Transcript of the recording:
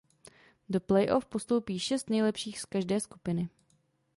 Do play off postoupí šest nejlepších z každé skupiny.